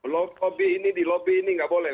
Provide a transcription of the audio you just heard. lobby ini di lobb ini nggak boleh